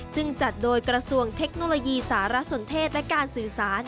ซึ่งจัดโดยกระทรวงเทคโนโลยีสารสนเทศและการสื่อสาร